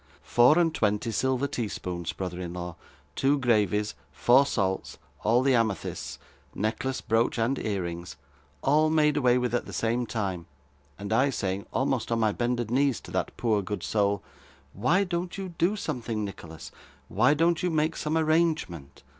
Four and twenty silver tea spoons, brother in law, two gravies, four salts, all the amethysts necklace, brooch, and ear rings all made away with, at the same time, and I saying, almost on my bended knees, to that poor good soul, "Why don't you do something, Nicholas? Why don't you make some arrangement?"